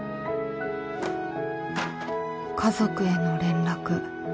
家族への連絡